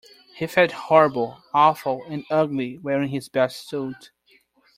He felt horrible, awful, and ugly wearing his best suit.